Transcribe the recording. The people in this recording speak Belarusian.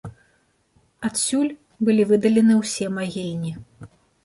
Адсюль былі выдалены ўсе магільні.